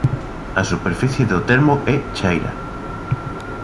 A superficie do termo é chaira.